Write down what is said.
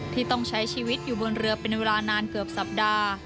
ที่ต้องใช้ชีวิตอยู่บนเรือเป็นเวลานานเกือบสัปดาห์